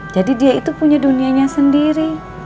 jadi dia itu punya dunianya sendiri